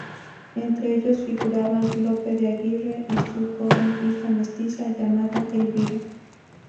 Entre ellos figuraban Lope de Aguirre y su joven hija mestiza, llamada Elvira.